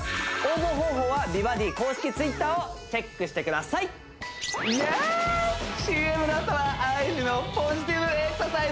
応募方法は美バディ公式Ｔｗｉｔｔｅｒをチェックしてくださいイエース！